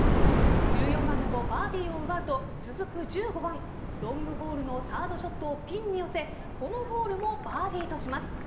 １４番でもバーディーを奪うと続く１５番ロングホールのサードショットをピンに寄せこのホールもバーディーとします。